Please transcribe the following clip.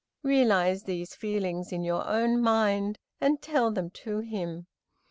Realize these feelings in your own mind, and tell them to him."